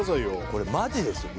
これマジですよ